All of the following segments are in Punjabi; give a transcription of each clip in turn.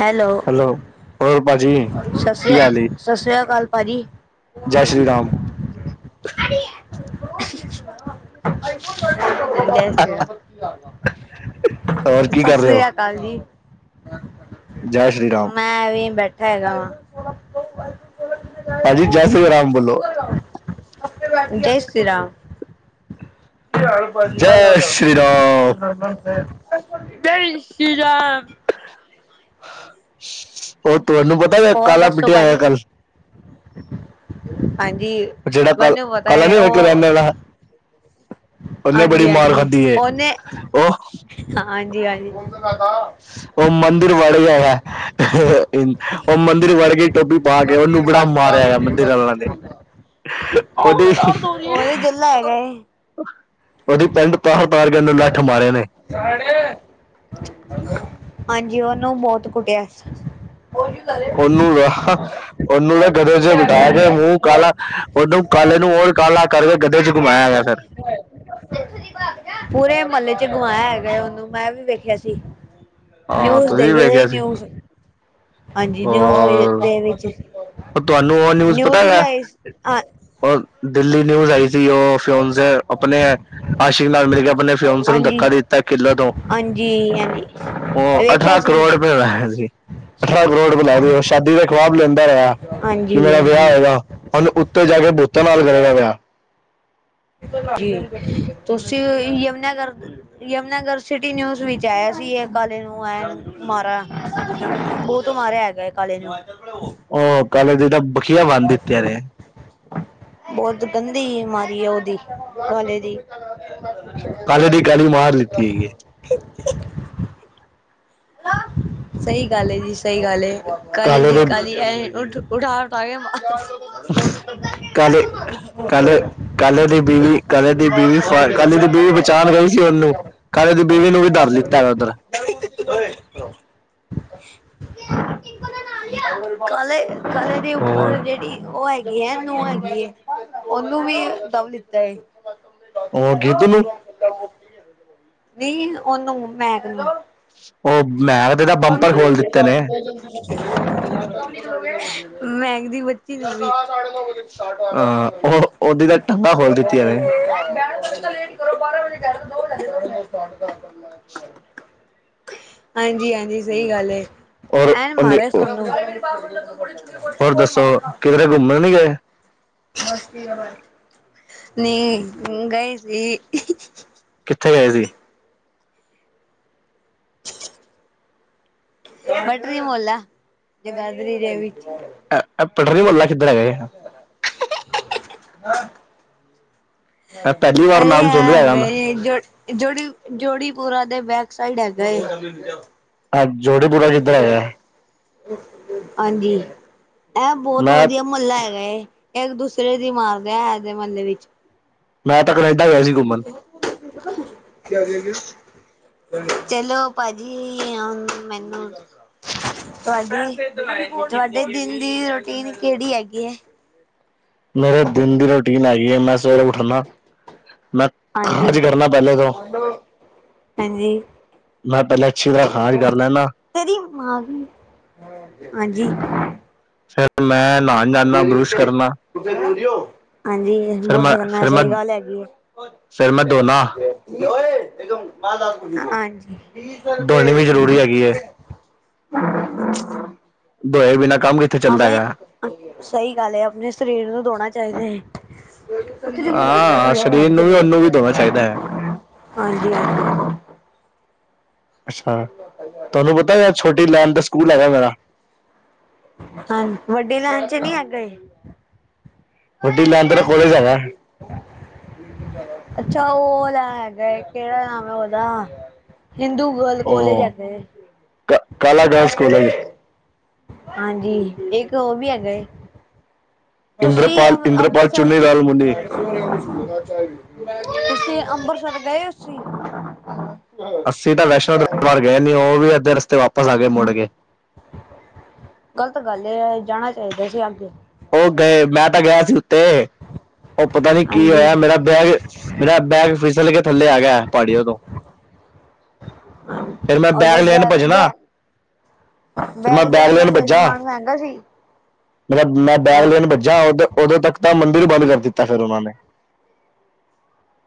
ਹੈਲੋ ਹੋਰ ਭਾਜੀ ਸਸ ਸ੍ਰੀ ਕੀ ਹਾਲ ਏ ਸਸ ਸ੍ਰੀ ਕਾਲ ਭਾਜੀ। ਜੈ ਸ਼੍ਰੀ ਰਾਮ। ਜੈ ਸੇ਼ਰਾ। ਹੋਰ ਕੀ ਕਰ ਰਹੇ ਹੋ ਸਸਰੀਆਂ ਅਕਾਲ ਜੀ ਜੈ ਸ਼੍ਰੀ ਰਾਮ ਮੈਂ ਏ ਵੀ ਬੈਠ। ਹੈਗਾ ਵਾਂ। ਹਾਂਜੀ, ਜੈ ਸਿਆ ਰਾਮ ਬੋਲੋ। ਜੈ ਸ਼੍ਰੀ ਰਾਮ। ਕੀ ਹਾਲ ਏ ਭਾਜੀ ਜੈ ਮੈਂ ਗੱਲ ਕਰਦੇ। ਸ਼੍ਰੀ ਰਾਮ ਜੈ ਸ਼੍ਰੀ ਰਾਮ। ਉਹ ਤੁਹਾਨੂੰ ਪਤਾ ਵ ਹੋਰ ਕਾਲਾ ਦੱਸੋ ਪਿੱਟਿਆ ਹੋਇਆ ਭਾਜੀ ਕੱਲ। ਹਾਂਜੀ! ਜਿਹੜਾ ਕੱਲ ਵੈਨੂੰ ਪਤਾ ਕਾਲਾ ਏ ਨੀ ਹੋਇਆ ਉਹ। ਰਹਿਣ ਵਾਲਾ ਉਹਨੇ ਬੜੀ ਮਾਰ ਹਾਂਜੀ-ਹਾਂਜੀ ਖਾਧੀ ਏ ਉਹਨੇ ਉਹ ਹਾਂਜੀ-ਹਾਂਜੀ। ਉਹ ਮੰਦਿਰ ਵੜ ਗਿਆ ਹੈ ਉਹ ਮੰਦਿਰ ਵੜਗੇ। ਡੋਬੀ ਪਾ ਕੇ ਉਹਨੂੰ ਬੜਾ ਮਾਰਿਆ ਏ ਮੰਦਿਰ ਆਲਾਂ ਨੇ। ਉਹ ਉਹਦੀ ਦਰਦ ਹੋਰੀਂ ਆਂ ਉਹ ਜਿੰਲਾ ਹੈਗਾ ਏ। ਉੱਦੀ ਪੈੰਡ ਤਾਰ ਤਾਰ ਕੇ ਲੱਠ ਮਾਰੇ ਨੇ ਹਾਂਜੀ, ਔਨੂੰ ਬਹੁਤ ਕੁੱਟਿਆ। ਔਨੂੰ ਨਾ ਔਨੂੰ ਨਾ ਗਦੋਂ, ਚ ਬਿਠਾ ਕੇ ਮੂੰਹ ਕਾਲਾ ਔਨੂੰ ਕਾਲੇ ਨੂੰ ਔ ਕਾਲਾ ਕਰਕੇ ਗੱਧੇ ਚ ਘੁਮਾਇਆ ਗਿਆ ਫਿਰ ਪੂਰੇ ਮੱਲੇ ਚ ਕੁਮਾਇਆ ਹੈਗਾ, ਔਨੂੰ ਮੈਂ ਵੀ ਵੇਖਿਆ ਸੀ। ਹਾਂ ਨਿਊਜ਼ ਤੁਸੀਂ ਵੀ ਦੇਖੀ ਸੀ ਵੇਖਿਆ ਨਿਊਜ਼, ਹਾਂਜੀ ਨਿਊਜ਼ ਦੇ ਵਿੱਚ ਔ ਤੁਹਾਨੂੰ ਔ ਨਿਊਜ਼ ਪਤਾ ਵੀ ਹੈਗਾ, ਆਈ ਆ ਉਹ ਦਿੱਲੀ ਨਿਊਜ਼ ਆਈ ਸੀ, ਉਹ ਫਿਔਨਸੇ ਅਪਣੇ ਆਸ਼ਿਕ ਨਾਲ ਮਿਲ ਕੇ ਆਪਣੇ ਫਿਔਨਸੇ ਨੂੰ ਹਾਂਜੀ ਧੱਕਾ ਹਾਂਜੀ ਦਿੱਤਾ ਕਿਲੇ ਤੋਂ ਹਾਂਜੀ। ਔ ਵੇਖਿਆ ਅਠਰਾਂ ਸੀ ਕਰੋੜ ਰੁਪਏ ਦਾ ਹੈਗਾ ਸੀ। ਅਠਾਰਾਂ ਕਰੋੜ ਰੁਪੈ ਲਾਏ ਸੀ। ਸ਼ਾਦੀ ਦਾ ਖਵਾਬ ਲੈਂਦਾ ਰਿਆ ਕਿ ਹਾਂਜੀ ਮੇਰਾ ਵਿਆਹ ਹਾਂਜੀ ਹੋਏਗਾ, ਹੂੰਨ ਉੱਤੇ ਜਾ ਕੇ ਪੁਤਾਂ ਨਾਲ ਕਰੇਗਾ ਵਿਆਹ ਤੁਸੀਂ ਯਮਨਾਗਰ ਯਮਨਾਗਰ ਸਿਟੀ ਨਿਊਜ਼ ਵਿੱਚ ਆਇ ਸੀਂ ਏ ਕਾਲੇ ਨੂੰ ਐ ਮਾਰਾ ਬੋਤ ਮਾਰਿਆ ਹੈਗਾ ਕਾਲੇ ਨੂੰ ਉਹ ਕਾਲੇ ਦੀ, ਤਾਂ ਬਖੀਆ ਬੰਨ ਦਿੱਤਿਆ ਨੇ ਬੋਤ ਗੰਦੀ ਮਾਰੀ ੲ ਔਦੀ ਵਾਲੇ ਦੀ ਕਾਲੇ ਦੀ ਕਾਲੀ ਮਾਰ ਦਿੱਤੀ ਹੈਗੀ [inaudible] ਸਈ ਗੱਲ ਏ ਜੀ, ਸਈ ਗੱਲ ਏ ਕੱਲ ਕਾਲੇ ਦੀ ਦੇ ਕੱਲਈਐ [inaudible] ਕਾਲੇ ਕਾਲੇ [inaudible] ਕੀ ਦੀ ਬੀਵੀ ਬਚਾਣ ਗਈ ਸੀ, ਉਹਨੂੰ ਕਾਲੇ ਦੀ ਬੀਵੀ ਨੂੰ ਵੀ ਤਰ ਲਿੱਤਾ ਅ ਉੱਧਰ ਕਾਲੇ ਕਾਲੇ ਦੇ ਉੱਪਰ ਹੋਰ ਜੇੜੀ ਔ ਹੈਗੀ ਨੂੰ ਹੈਗੀ ਏ, ਔਨੂੰ ਵੀ [inaudible] ਨੀ ਔਨੂੰ ਮੈਂ ਔ ਮੈਂ ਬੰਪਰ ਖੋਲ ਦਿੱਤੇ ਨੇ ਮੈਂ ਮੇਰੀ ਬੱਚੀ [inaudible] ਸਾਢੇ ਨੌਂ ਵਜੇ ਸਟਾਟ ਐ [inaudible] ਅਹ ਉਹ ਉਹਦੀ ਤਾਂ ਟੰਗਾ ਖੋਲ ਤਾਂ ਦਿੱਤੀਆਂ ਨੇ ਲੇਟ ਕਰੋ ਬਾਰਾਂ ਵਜੇ ਜਾਣਾ ਦੋ ਵੱਜ ਗਏ ਨੇ, ਚੱਲ ਮੈਂ ਸਟਾਟ [inaudible] ਹਾਂਜੀ- ਹਾਂਜੀ, ਸਹੀ ਗੱਲ ਐ, ਔਰ ਐਨੇ ਉਹਨੇ ਮਾਰਇਆ ਸੋਨੂੰ। ਹੋਰ ਦੱਸੋ ਕਿਧਰੇ ਘੁੰਮਣ ਨੀ ਗਏ। ਨੀ ਗਏ ਸੀ। ਕਿੱਥੇ ਗਏ ਸੀ? [inaudible] ਪਟਰੀ ਮਹੱਲਾ, ਜਗਾਧਰੀ ਦੇ ਵਿੱਚ। ਅ ਪਟਰੀ ਮੁਹੱਲਾ ਕਿੱਧਰ ਹੈਗਾ ਏ। [inaudible] ਮੈਂ ਪਹਿਲੀ [inaudible] ਵਾਰ ਅਰੇ ਨਾਮ ਸੁਣ ਰਿਹਾ ਹੈਗਾ ਮੈਂ ਹੈਂ ਜੋੜੀ -ਜੋੜੀ ਪੂਰਾ ਦੇ ਬੈਕ ਸਾਈਡ ਹੈਗਾ ਏ। ਆ ਜੋੜੇਪੁਰਾ ਕਿੱਧਰ ਹੈਗਾ। ਹਾਂਜੀ, ਐਹ ਬੋਤ ਮੈਂ ਵਧੀਆ ਮਹੱਲਾ ਹੈਗਾ ਏ। ਏਕ ਦੂਸਰੇ ਦੀ ਮਾਰਦੇ ਹੈਗੇ ਮਹੱਲੇ ਵਿੱਚ। ਮੈਂ ਤਾਂ ਕਨੇਡਾ ਗਿਆ ਸੀ ਘੁੰਮਣ। [unintelligible] ਚਲੋ ਭਾਜੀ, ਹੂੰ ਮੈਨੂੰ ਤੁਹਾਡੀ ਤੁਹਾਡੇ ਦਿਨ ਦੀ ਰੋਟੀਨ ਕਿਹੜੀ ਹੈਗੀ ਏ। ਮੇਰੇ ਦਿਨ ਦੀ ਰੂਟੀਨ ਹੈਗੀ ਏ, ਮੈਂ ਸਵੇਰੇ ਉੱਠਨਾ ਮੈਂ ਹਾਂਜੀ ਖਾਜ ਕਰਨਾ ਪਹਿਲੇ ਤੋ। ਹਾਂਜੀ ਮੈਂ ਪਹਿਲੇ ਅੱਛੀ ਤਰ੍ਹਾਂ ਖਾਜ ਕਰ ਲੈਂਨਾ। ਤੇਰੀ ਮਾਂ ਵੀ ਹਾਂਜੀ ਫਿਰ ਮੈਂ ਨਹਾਣ ਜਾਣਾ ਬਰੁਸ਼ ਕਰਨਾ ਹਾਂਜੀ, ਬੁਰਸ਼ ਮੈਂ ਕਰਨਾ ਫਿਰ ਮੈਂ ਸਹੀ ਗੱਲ ਹੈਗੀ ਫਿਰ ਏ। ਮੈਂ ਧੋਣਾ [unintelligible] ਓਏ ਇਧਰੋਂ ਮਾਂ ਦਾ ਤੂੰ, ਹਾਂਜੀ ਤੀਸ ਧੋਣੀ ਵੀ ਰੁਪਏ [inaudible] ਜ਼ਰੂਰੀ ਹੈਗੀ ਹੈ ਧੋਏ ਬਿਨਾਂ ਹਾਵੇਂ ਸਹੀ ਗੱਲ ਐ, ਆਪਣੇ ਸਰੀਰ ਨੂੰ ਧੋਣਾ ਚਾਹੀਦਾ ਏ। [inaudible] ਹਾਂ ਸਰੀਰ ਨੂੰ ਵੀ ਉਹਨੂੰ ਵੀ ਧੋਣਾ ਚਾਹੀਦਾ ਹੈ ਹਾਂਜੀ-ਹਾਂਜੀ ਅੱਛਾ, ਤੁਹਾਨੂੰ ਪਤਾ ਛੋਟੀ ਲੈਨ ਤੇ ਸਕੂਲ ਹੈਗਾ ਮੇਰਾ। ਹਾਂ ਵੱਡੇ ਲੈਣ ਚ ਨੀ ਹੈ ਗਏ। ਵੱਡੀ ਲਾਇਨ ਤੇ ਨਾ ਕੋਲੇਜ ਹੈਗਾ। ਅੱਛਾ ਉਹ ਲੈ ਹੈਗਾ ਕਿਹੜਾ ਨਾਮ ਹੈ ਉਹਦਾ ਹਿੰਦੂ ਗਰਲ ਕੋਲੇਜ ਉਹ ਹੈਗਾ ਕ- ਕਾਲਾ ਗਰਲਸ ਕਾਲਜ ਏ। ਹਾਂਜੀ, ਇੱਕ ਉਹ ਵੀ ਹੈਗਾ ਏ। ਤੁਸੀਂ ਇੰਦਰਪਾਲ ਅ ਇੰਦਰਪਾਲ ਅੰਬਰਸਰ ਚੁੰਨੀ ਲਾਲ ਮੁੰਨੀ ਤੁਸੀਂ ਅੰਬਰਸਰ ਗਏ ਉਸ ਚੀ ਅਸੀਂ ਤਾਂ ਵੈਸ਼ਨੋ ਦਰਬਾਰ ਗਏ ਨੀ, ਉਹ ਵੀ ਅੱਧੇ ਰਸਤੇ ਵਾਪਸ ਆ ਗਏ ਮੁੜ ਕੇ ਗ਼ਲਤ ਗੱਲ ਏ, ਜਾਣਾ ਚਾਹੀਦਾ ਸੀ ਅੱਗੇ। ਉਹ ਗਏ, ਮੈਂ ਤਾਂ ਗਿਆ ਸੀ ਉੱਥੇ। ਉਹ ਪਤਾ ਨੀ ਕੀ ਹਾਂਜੀ। ਹੋਇਆ ਮੇਰਾ ਬੈਗ ਮੇਰਾ ਬੈਗ ਫਿਸ ਉੱਤਰ ਕੇ ਥੱਲੇ ਆ ਗਿਆ ਪਹਾੜੀਆਂ ਤੋਂ ਫਿਰ ਮੈਂ ਬੈਗ ਉਹਦੇ ਲੈਣ ਭੱਜਣਾ ਬੈਗ ਫਿਰ ਮੈਂ ਬੈਗ ਦੇ ਅੰਦਰ ਕੋਈ ਸਮਾਨ ਮਹਿੰਗਾ ਸੀ। ਮਤਲਬ ਮੈਂ ਬੈਗ ਹਾਂ ਲੈਣ ਵੱਜਾ, ਉਦੋ- ਉਦੋਂ ਤੱਕ ਤਾਂ ਮੰਦਿਰ ਬੰਦ ਕਰ ਦਿੱਤਾ ਫਿਰ ਉਹਨਾਂ ਨੇ।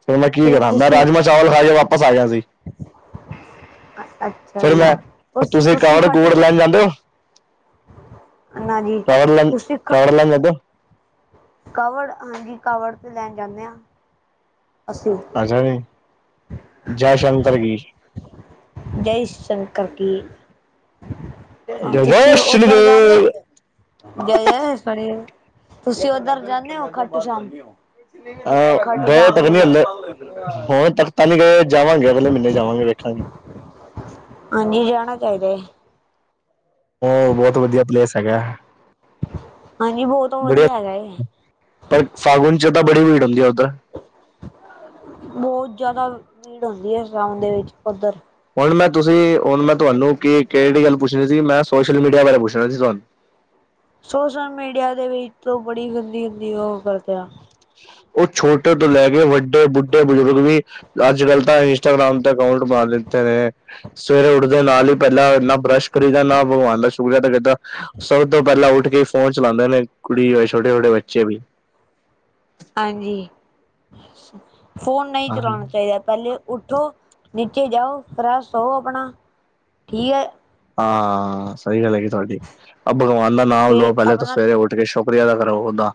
ਫਿਰ ਮੈਂ ਕੀ ਕਰਾਂ, ਮੈਂ ਰਾਜਮਾਂ ਚਾਵਲ ਖਾ ਕੇ ਵਾਪਸ ਆਗਿਆ ਸੀ। ਅੱਛਾ ਫਿਰ ਜੀ। ਮੈਂ, ਤੁਸੀਂ ਕਾਵੜ ਖਾਟੂ ਕੂਵੜ ਲੈਣ ਸ਼ਾਮ ਜਾਂਦੇ ਹੋ। ਨਾ ਜੀ ਕਾਵੜ ਲੈਣ ਤੁਸੀਂ ਖ ਕਾਵੜ ਲੈਣ ਜਾਂਦੇ ਹੋ ਕਾਵੜ ਹਾਂਜੀ ਕਾਵੜ ਤੇ ਲੈਣ ਜਾਂਦੇ ਹਾਂ ਅਸੀਂ। ਅਛਾ ਜੀ ਜੈ ਸ਼ੰਕਰ ਕੀ ਜੈ ਸ਼ੰਕਰ ਕੀ ਜੈ ਜੈ ਤੁਸੀਂ ਸ਼੍ਰੀ ਉੱਧਰ ਜਾਂਦੇ ਦੇਵ ਹੋ ਗਏ ਆ ਸੀ ਤੁਸੀਂ ਓਧਰ ਜਾਂਦੇ ਹੋ ਖਾੱਟੂ ਸ਼ਾਮ ਅਹ ਖਾਟੂ ਗਏ ਸ਼ਾਮ ਤੱਕ ਦੇ ਨਹੀਂ ਹਲੇ ਵਿੱਚ ਹੁਣ ਤੱਕ ਤਾਂ ਨਹੀਂ ਗਏ ਜਾਵਾਂਗੇ ਅਗਲੇ ਮਹੀਨੇ ਜਾਵਾਂਗੇ ਹਾਂਜੀ ਹਾਂਜੀ ਜਾਣਾ ਚਾਹੀਦਾ ਉਹ ਬਹੁਤ ਵਧੀਆ ਪਲੇਸ ਹੈਗਾ ਹਾਂਜੀ ਬਹੁਤ ਬਧਿਆ ਵਧੀਆ ਹੈਗਾ ਹੈ ਪਰ ਸਾਵਨ ਚ ਤਾਂ ਬੜੀ ਹੁੰਦੀ ਆ ਉੱਧਰ ਬਹੁਤ ਜ਼ਿਆਦਾ ਭੀੜ ਹੁੰਦੀ ਹੈ ਸਾਵਣ ਦੇ ਵਿੱਚ ਉੱਧਰ ਹੁਣ ਮੈਂ ਤੁਸੀਂ ਹੁਣ ਮੈਂ ਤੁਹਾਨੂੰ ਕਿ ਕਿਹੜੀ ਗੱਲ ਪੁੱਛਣੀ ਸੀ ਮੈਂ ਸੋਸ਼ਲ ਮੀਡੀਆ ਬਾਰੇ ਪੁੱਛਣਾ ਸੀ ਤੁਹਾਨੂੰ [inaudible] ਸੋਸ਼ਲ ਮੀਡੀਆ ਦੇ ਵਿੱਚ ਬੜੀ ਗੰਦੀ-ਗੰਦੀ ਉਹ ਕਰਦੇ ਆ ਉਹ ਛੋਟੇ ਤੋਂ ਲੈ ਕੇ ਵੱਡੇ ਬੁੱਢੇ ਬੁਜ਼ੁਰਗ ਵੀ ਅੱਜ ਕੱਲ ਤਾਂ ਇੰਸਟਾਗ੍ਰਾਮ ਤੇ ਅਕਾਊਂਟ ਬਨ ਲਤੇ ਨੇ ਸਵੇਰੇ ਉੱਠਦੇ ਨਾਲ ਹੀ ਪਹਿਲਾਂ ਨਾ ਬਰੱਸ਼ ਕਰੀਦਾ ਨਾ ਭਗਵਾਨ ਦਾ ਸ਼ੁਕਰੀਆ ਤਾਂ ਕਿਦਾਂ ਸਭ ਤੋਂ ਪਹਿਲਾਂ ਉੱਠ ਕੇ ਫੋਨ ਚਲਾਉਂਦੇ ਨੇ ਕੁੜੀਯਾਵੇ ਛੋਟੇ-ਛੋਟੇ ਬੱਚੇ ਵੀ ਹਾਂਜੀ ਫੋਨ ਨਹੀਂ ਚਲਾਉਣਾ ਚਾਹੀਦਾ ਪਹਿੱਲੇ ਉੱਠੋ ਨੀਚੇ ਜਾਓ ਫ੍ਰੈਸ਼ ਹੋਵੋ ਆਪਣਾ ਠੀਕ ਹੈ ਹਾਂ ਸਹੀ ਗੱਲ ਹ ਤੁਹਾਡੀ ਆ ਭਗਵਾਨ ਦਾ ਨਾਮ ਫਿਰ ਲਓ ਪਹਿਲੇ ਤਾਂ ਆਪਣਾ ਸਵੇਰੇ ਉੱਠ ਮਰਿਆਦਾ ਕਰੋ ਓਦਾਂ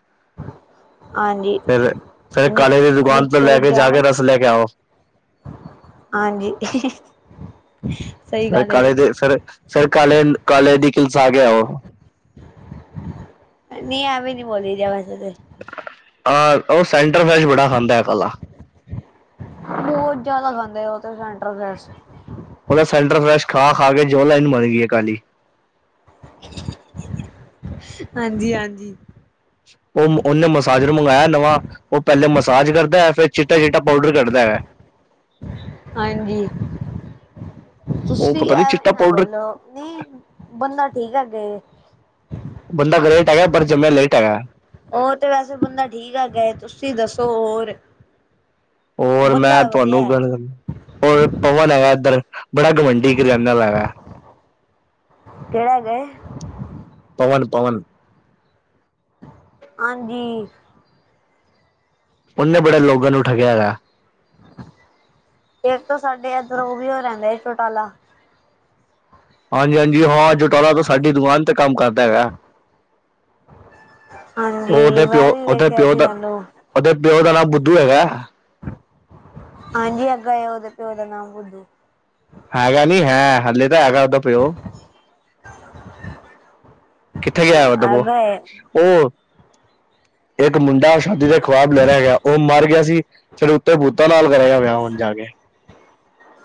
ਹਾਂਜੀ ਫਿਰ ਫਿਰ ਨੀ ਕਾਲੇ ਦੀ ਦੁਕਾਨ ਤੋਂ ਲੈ ਨੀਚੇ ਕੇ ਜਾ ਜਾਣ ਕੇ ਨੂੰ ਰਸ ਹਾਂਜੀ ਸਹੀ ਗੱਲ ਹੈ ਕਾਲੇ ਦੇ ਸਰ ਸਰ ਕਾਲੇ ਦੀ ਕਸਾ ਕੇ ਆਓ ਨਹੀਂ ਐਵੇਂ ਨਹੀਂ ਬੋਲੀ ਜਾ ਵੈਸੇ ਔਰ ਉਹ ਸੈਂਟਰ ਵੈਜ ਬੜਾ ਖਾਂਦਾ ਭਲਾ ਬਹੁਤ ਜਿਆਦਾ ਖਾਂਦੇ ਆ ਉਥੇ ਸੈਂਟਰ ਦੇ ਵਿੱਚ ਉਹਦਾ ਸੈਂਟਰ ਫਲੈਸ਼ ਖਾ ਖਾ ਕੇ ਜੋਲਾਨ ਮਰ ਗਈ ਕਾਲੀ ਹਾਂਜੀ ਹਾਂਜੀ ਉਹਨੇ ਮਸਾਜਰ ਮੰਗਾਇਆ ਨਵਾਂ ਉਹ ਪਹਿਲੇ ਮਸਾਜ ਕਰਦਾ ਫਿਰ ਚਿੱਟਾ ਚਿੱਟਾ ਪਾਊਡਰ ਕੱਢਦਾ ਹਾਂਜੀ ਉਹ ਤੁਸੀਂ ਪਤਾ ਨੀ ਚਿੱਟਾ ਨਾ ਪਾਊਡਰ ਬੋਲੋ ਠੀਕ ਹ ਜੇ ਬੰਦਾ ਗ੍ਰੇਟ ਹੈਗਾ ਪਰ ਜ ਮੈਂ ਲੇਟ ਆਇਆ ਔਰ ਵੈਸੇ ਬੰਦਾ ਠੀਕ ਆ ਗਏ ਤੁਸੀਂ ਦੱਸੋ ਹੋਰ ਔਰ ਮੈਂ ਬੰਦਾ ਵਧੀਆ ਤੁਹਾਨੂੰ ਹੈ ਬੜਾ ਗਵੰਡੀ ਖਲ ਕਿਹੜਾ ਗਏ ਪਵਨ ਪਵਨ ਹਾਂਜੀ ਉਨੇ ਬੜੇ ਲੋਗਾਂ ਨੂੰ ਠਗਿਆ ਹੈਗਾ ਇਸ ਤੋਂ ਸਾਡੇ ਅੰਦਰ ਉਹ ਵੀ ਹੋ ਰਹਿੰਦਾ ਹਾਂਜੀ ਹਾਂਜੀ ਜਟਾਲਾ ਤਾਂ ਸਾਡੀ ਦੁਕਾਨ ਤੇ ਕੰਮ ਕਰਦਾ ਹੈਗਾ ਹਾਂਜੀ ਉਹਦੇ ਮੈਂ ਵੀ ਪਿਓ ਦਾ ਵੇਖਿਆ ਸੀ ਉਹਨੂੰ ਪਿਓ ਦਾ ਨਾਮ ਬੁੱਧੂ ਹੈਗਾ ਹਾਂਜੀ ਅੱਗੇ ਉਹਦੇ ਪਿਓ ਦਾ ਨਾਮ ਹੈਗਾ ਨਹੀਂ ਹੈ ਹਾਲੇ ਤਾਂ ਹੈਗਾ ਉਦਾਂ ਕਿੱਥੇ ਗਿਆ ਦਬੋ ਅੱਗਾ ਹੈ ਉਹ ਇੱਕ ਮੁੰਡਾ ਸਾਡੀ ਤੇ ਖਵਾਬ ਲੈ ਰਿਹਾ ਹੈਗਾ ਉਹ ਮਰ ਗਿਆ ਸੀ ਫਿਰ ਉੱਤੇ ਬੂਤਾ ਲਾਲ ਕਰਿਆ ਵਿਆ ਲਗੇ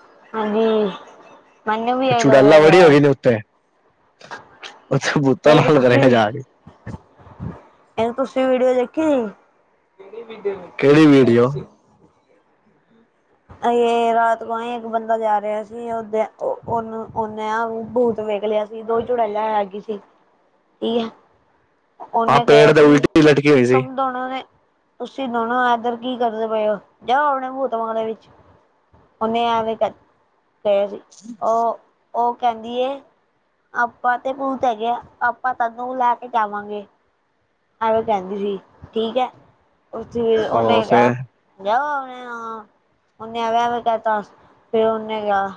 ਹਾਂਜੀ ਮੈਨੂੰ ਵੀ ਓਹ ਇਹੀ ਲੱਗਦਾ ਚੁੜਾਲਾ ਵਰੀ ਹੋ ਪਿਆ ਨੇ ਉੱਤੇ ਉੱਥੇ ਭੂਤਾਂ ਨਾਲ ਕਰੇਗਾ ਜਾ ਕੇ ਇਹਨੂੰ ਤੁਸੀਂ ਵੀਡੀਓ ਦੇਖੀ ਕਿਹੜੀ ਵੀਡੀਓ [unintelligible] ਬੰਦਾ ਜਾ ਰਿਹਾ ਸੀ ਉਹਨੂੰ ਉਨੇ ਬੋਤ ਵੇਖ ਲਿਆ ਸੀ ਦੋ ਚੁੜੈਲਾ ਹੈਗੀ ਸੀ ਠੀਕ ਹੈ ਆ ਉਹਨੇ ਪੇੜ ਕਿਹਾ ਤੇ ਸੀ ਉਲਟੀ ਲਟਕੀ ਹੋਈ ਸੀ ਤੁਮ ਦੋਨੋ ਨੇ ਤੁਸੀ ਇਧਰ ਕੀ ਕਰਦੇ ਪਏ ਹੋ ਜਾਓ ਆਪਣੇ ਭੂਤ ਬੰਗਲੇ ਵਿਚ ਉਹਨੇ ਆਵੇ ਕਿਹਾ ਸੀ ਉਹ ਉਹ ਕਹਿੰਦੀ ਏ ਆਪਾਂ ਤੇ ਭੂਤ ਹੈਗੇ ਆ ਆਪਾਂ ਤਾਂ ਨੂੰ ਲੈ ਕੇ ਜਾਵਾਂਗੇ ਕਹਿੰਦੀ ਸੀ ਠੀਕ ਹ ਉਥੇ ਉਹ ਉਹਨੇ ਫਿਰ ਕਿਹਾ ਆਪਣੇ ਹਾਂ [inaudible] ਉਹਨੇ ਐਵੇ ਐਵੇ ਕਹਤਾ, ਫਿਰ ਉਹਨੇ ਕਿਹਾ,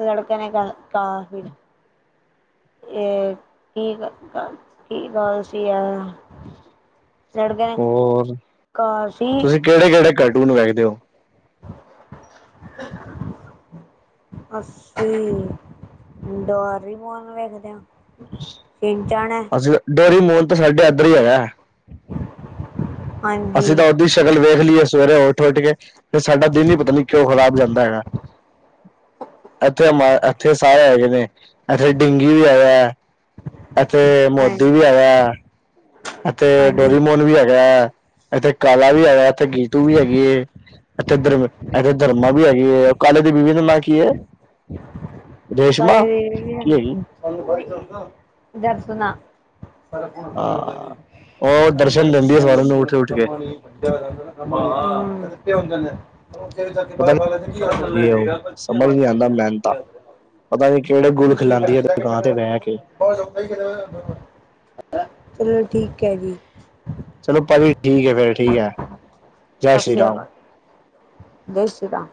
ਲੜਕੇ ਨੇ ਤਾਂ ਫਿਰ ਇਹ ਕੀ ਗੱਲ ਸੀ ਆ ਲੜ ਦੇ ਨ ਹੋਰ ਤੁਸੀਂ ਕਿਹੜੇ ਕਿਹੜੇ ਕਾਰਟੂਨ ਵੇਖਦੇ ਹੋ [unintelligible] ਅਸੀਂ ਡੇਅਰੀ ਮੋਨ ਵੇਖਦੇ ਹਾ। ਅਸੀਂ ਡੇਰੀ ਮੋਹਨ ਤਾਂ ਸਾਡੇ ਇਧਰ ਹੀ ਆਇਆ ਹਾਂਜੀ ਅਸੀਂ ਤਾਂ ਉਦੀ ਸ਼ਕਲ ਵੇਖ ਲਈ ਉਰੇ ਉਠ ਉਠ ਕੇ ਤੇ ਸਾਡਾ ਦਿਨ ਹੀ ਪਤਾ ਨਹੀਂ ਕਿਉਂ ਖਰਾਬ ਜਾਂਦਾ ਹੈਗਾ ਇੱਥੇ ਸਾਰੇ ਹੈਗੇ ਨੇ ਇਥੇ ਡਿੰਗੀ ਵੀ ਆਇਆ ਇਥੇ ਹਾਂ ਮੋਦੀ ਵੀ ਆਇਆ ਅਤੇ ਹਾਂਜੀ ਡੋਰੀ ਮੌਨ ਵੀ ਹੈਗਾ ਇਥੇ ਕਾਲਾ ਵੀ ਆਇਆ ਇੱਥੇ ਗੀਤੂ ਵੀ ਹੈਗੀ ਹ ਇਥੇ ਧਰਮਾਂ ਵੀ ਹੈਗੀ ਕਾਲੇ ਦੇ ਵਿਵੇਦ ਨਾ ਕੀ ਹੈ ਰੇਸ਼ਮਾ ਕੀ ਹੈਗੀ [unintelligible] [unintelligible] ਹਾ ਹਾ ਹਾਂ ਉਹ ਦਰਸ਼ਨ ਦਿੰਦੀ ਹੈ ਸਾਰਿਆਂ ਨੂੰ ਉੱਠ ਉੱਠ ਕੇ ਅਦਰ ਇੰਦੇ ਨੇ ਬਾਹਰ ਹ ਚ ਬੇ ਪਤਾ ਨੀ ਹੁੰਦੀ ਹੈ ਹ ਉਹ ਸਮਝ ਨੀ ਆਉਂਦਾ ਮੈਨੂੰ ਤਾਂ ਪਤਾ ਨੀ ਕਿਹੜੇ ਗੁਲ ਖਿਲਾਉਂਦੀ ਹੈ ਦੁਕਾਨ ਤੇ ਬਹਿ ਕੇ [unintelligible] [unintelligible] ਚਲੋ ਠੀਕ ਹੈ ਜੀ ਚਲੋ ਪਾਜੀ ਠੀਕ ਹੈ ਫੇਿਰ ਠੀਕ ਹੈ ਜੈ ਸਤਿ ਸ਼੍ਰੀ ਸ੍ਰੀ ਰਾਮ ਅਕਾਲ ਜੈ ਸ਼੍ਰੀ ਰਾਮ